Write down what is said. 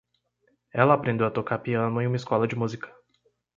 Ela aprendeu a tocar piano em uma escola de música.